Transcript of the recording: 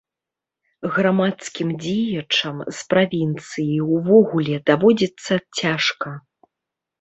Грамадскім дзеячам з правінцыі ўвогуле даводзіцца цяжка.